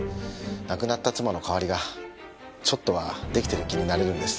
亡くなった妻の代わりがちょっとはできてる気になれるんです。